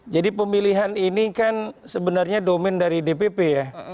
jadi pemilihan ini kan sebenarnya domen dari dpp ya